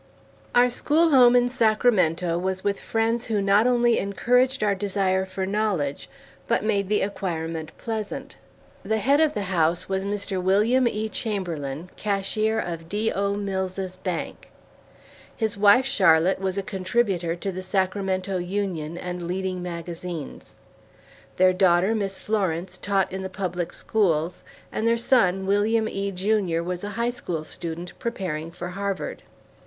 Our school home in Sacramento was with friends who not only encouraged our desire for knowledge, but made the acquirement pleasant. The head of the house was Mr. William E. Chamberlain, cashier of D.O. Mills's bank. His wife, Charlotte, was a contributor to The Sacramento Union and leading magazines. Their daughter, Miss Florence, taught in the public schools; and their son, William E., Jr., was a high school student, preparing for Harvard.